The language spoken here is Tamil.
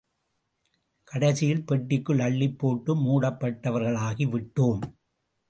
கடைசியில் பெட்டிக்குள் அள்ளிப் போட்டு மூடப்பட்டவர்களாகி விட்டோம்.